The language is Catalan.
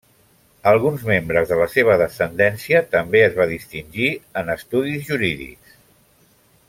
Alguns membres de la seva descendència també es va distingir en estudis jurídics.